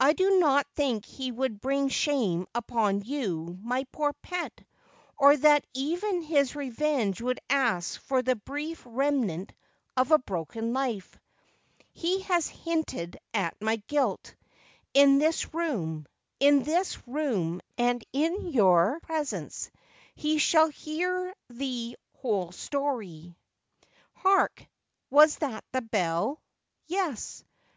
I do not think he would bring shame upon you, my poor pet ; or that even his revenge would ask for the brief remnant of a broken life. He has hinted at my guilt, in this room. In this room, and in your presence, he shall hear the whole storv. Hark ! was that the bell '? Yes.